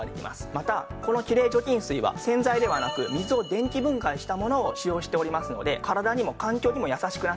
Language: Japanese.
またこのきれい除菌水は洗剤ではなく水を電気分解したものを使用しておりますので体にも環境にも優しくなっております。